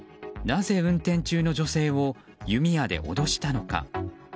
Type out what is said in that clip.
なぜ運転中の女性を弓矢で脅したのか。